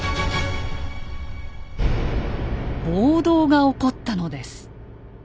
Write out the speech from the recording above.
暴動が起こったのです。